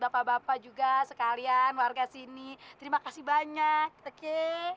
bapak bapak juga sekalian warga sini terima kasih banyak oke